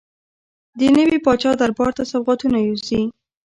د نوي پاچا دربار ته سوغاتونه یوسي.